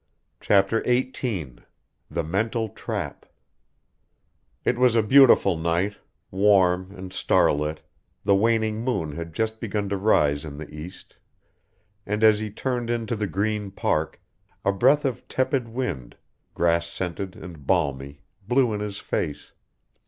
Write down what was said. CHAPTER XVIII THE MENTAL TRAP It was a beautiful night, warm and starlit, the waning moon had just begun to rise in the east and as he turned into the green Park a breath of tepid wind, grass scented and balmy blew in his face.